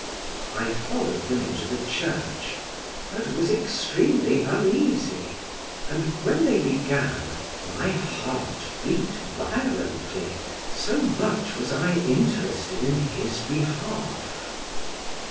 I followed them into the church; but was extremely uneasy, and when they began, my heart beat violently, so much was I interested in his behalf.